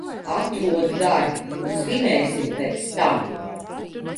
Atrodi darbu, svinēsim pēc tam.